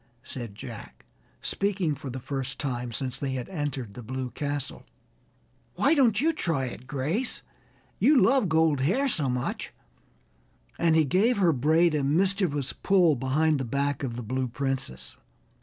said Jack, speaking for the first time since they had entered the Blue Castle. "Why don't you try it, Grace? You love gold hair so much," and he gave her braid a mischievous pull behind the back of the Blue Princess.